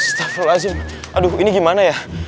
astagfirullahaladzim aduh ini gimana ya